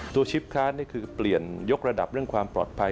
ชิปคลาสนี่คือเปลี่ยนยกระดับเรื่องความปลอดภัย